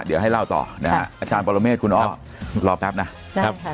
เดี๋ยวให้เล่าต่อนะฮะอาจารย์ปรเมฆคุณอ๊อฟรอแป๊บนะครับ